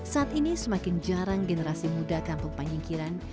saat ini semakin jarang generasi muda kampung panyingkiran